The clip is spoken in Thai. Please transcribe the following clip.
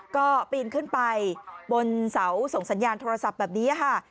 ก็ปีนขึ้นไปบนเสาส่งสัญญาณโทรศัพท์แบบนี้ค่ะ